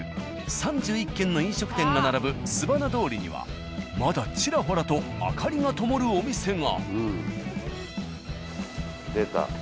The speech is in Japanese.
３１軒の飲食店が並ぶすばな通りにはまだちらほらと明かりがともるお店が。